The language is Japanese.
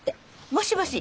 もしもし！